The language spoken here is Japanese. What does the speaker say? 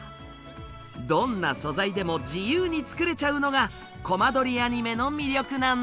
どんな素材でも自由に作れちゃうのがコマ撮りアニメの魅力なんです。